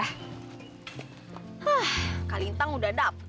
hah kalintang udah dapet